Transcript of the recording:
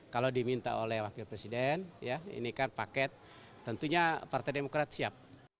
kalau diminta oleh wakil presiden ini kan paket tentunya partai demokrat siap